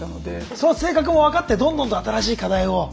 その性格も分かってどんどんと新しい課題を。